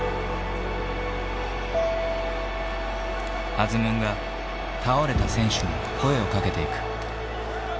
アズムンが倒れた選手に声をかけていく。